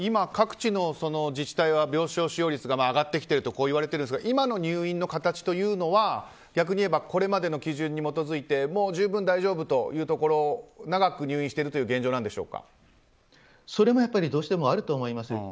各地の自治体は病床使用率が上がってきたといわれてるんですが今の入院の形というのは逆にいえばこれまでの基準に基づいて大丈夫という長く入院してるというそれもどうしてもあると思います。